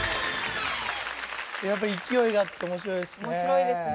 やっぱり勢いがあって面白いですね。